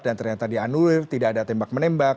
dan ternyata dianulir tidak ada tembak menembak